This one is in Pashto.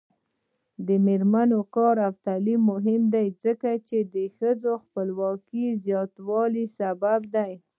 د میرمنو کار او تعلیم مهم دی ځکه چې ښځو خپلواکۍ زیاتولو سبب دی.